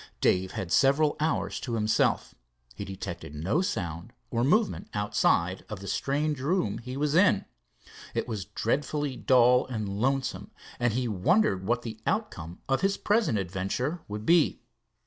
Dave had several hours to himself. He detected no sound or movement outside of the strange room he was in. It was dreadfully dull and lonesome, and he wondered what the outcome of his present adventure would be.